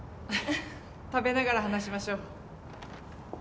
食べながら話しましょう。